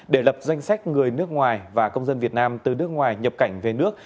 để lập danh sách người nước ngoài và công dân việt nam từ nước ngoài nhập cảnh về nước